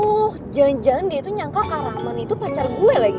oh jangan jangan dia tuh nyangka kak raman itu pacar gue lagi